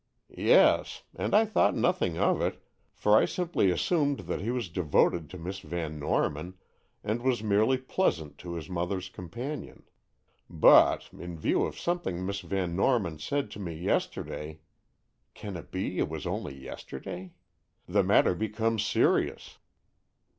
"Yes; and I thought nothing of it, for I simply assumed that he was devoted to Miss Van Norman, and was merely pleasant to his mother's companion. But—in view of something Miss Van Norman said to me yesterday—can it be it was only yesterday?—the matter becomes serious."